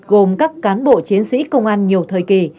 gồm các cán bộ chiến sĩ công an nhiều thời kỳ